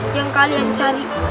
yang kalian cari